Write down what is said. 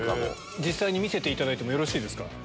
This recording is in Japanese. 実際に見せていただいてもよろしいですか？